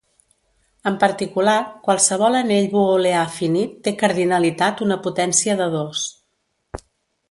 En particular, qualsevol anell booleà finit té cardinalitat una potència de dos.